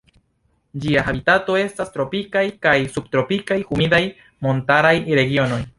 Ĝia habitato estas tropikaj kaj subtropikaj humidaj montaraj regionoj.